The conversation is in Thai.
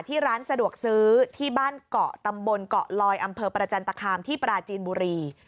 ที่ร้านสะดวกซื้อที่บ้านเกาะตำบลเกาะลอยอำเภอประจันตคามที่ปราจีนบุรี